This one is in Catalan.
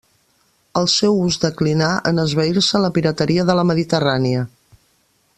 El seu ús declinà en esvair-se la pirateria de la Mediterrània.